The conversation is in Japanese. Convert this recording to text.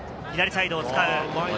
左サイドを使う。